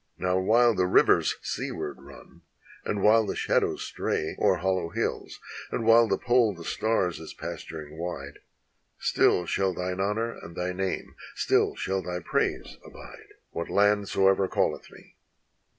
Now while the rivers seaward run, and while the shad ows stray O'er hollow hills, and while the pole the stars is pastur ing wide, Still shall thine honor and thy name, still shall thy praise abide, What land soever calleth me."